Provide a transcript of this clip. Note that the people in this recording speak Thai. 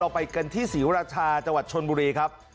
ต่อไปกันที่ศรีวรัชชาจชนบุรีครับ